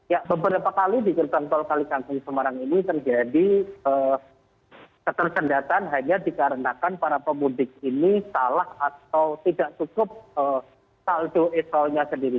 ya beberapa kali di gerbang tol kalikangkung semarang ini terjadi ketersendatan hanya dikarenakan para pemudik ini salah atau tidak cukup saldo esolnya sendiri